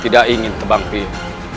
tidak ingin terbangkir